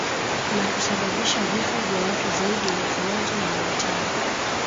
Na kusababisha vifo vya watu zaidi ya elfu moja na mia tano